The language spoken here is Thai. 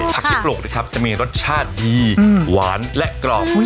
ที่ปลูกนะครับจะมีรสชาติดีหวานและกรอบ